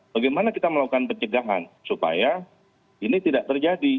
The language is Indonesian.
bagaimana kita melakukan pencegahan supaya ini tidak terjadi